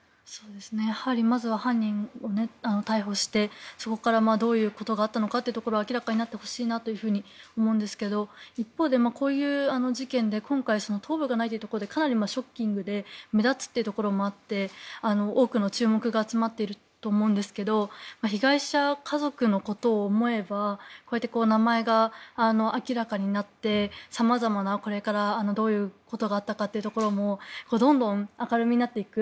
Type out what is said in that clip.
やはりまずは犯人を逮捕してそこからどういうことがあったのかを明らかになってほしいなと思うんですけど一方でこういう事件で今回、頭部がないというところでかなりショッキングで目立つというところもあって多くの注目が集まっていると思うんですが被害者家族のことを思えばこうやって名前が明らかになって様々なこれから、どういうことがあったかというところもどんどん明るみになっていく。